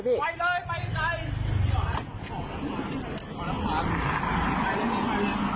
เดี๋ยวเรียกมาให้พี่